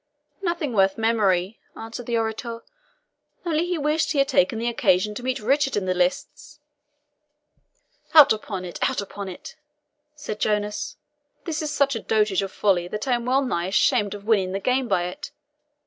"Nothing worth memory," answered the orator; "only he wished he had taken the occasion to meet Richard in the lists." "Out upon it out upon it!" said Jonas; "this is such dotage of folly that I am well nigh ashamed of winning the game by it.